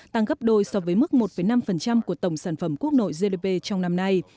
tăng gấp đôi so với mức một năm của tổng sản phẩm quốc nội gdp trong năm nay